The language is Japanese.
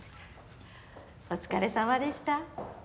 お疲れさまでした。